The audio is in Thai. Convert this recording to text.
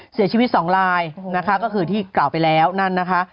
เสียชีวิตสองลายนะคะก็คือที่กล่าวไปแล้วนั่นนะคะ